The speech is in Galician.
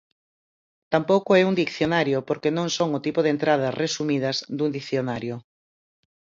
Tampouco é un dicionario, porque non son o tipo de entradas resumidas dun dicionario.